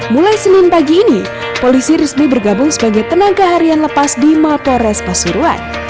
mulai senin pagi ini polisi resmi bergabung sebagai tenaga harian lepas di mapores pasuruan